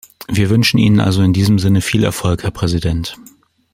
Wir wünschen Ihnen also in diesem Sinne viel Erfolg, Herr Präsident.